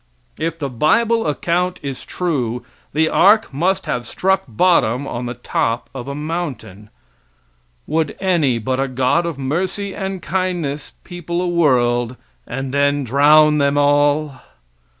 If the bible account is true the ark must have struck bottom on the top of a mountain. Would any but a God of mercy and kindness people a world, and then drown them all?